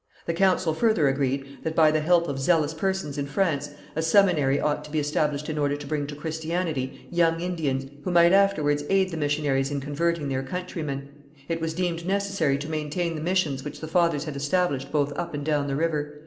The council further agreed that by the help of zealous persons in France, a seminary ought to be established in order to bring to Christianity, young Indians, who might afterwards aid the missionaries in converting their countrymen. It was deemed necessary to maintain the missions which the fathers had established both up and down the river.